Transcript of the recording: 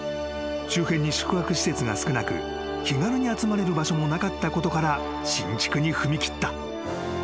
［周辺に宿泊施設が少なく気軽に集まれる場所もなかったことから新築に踏み切った］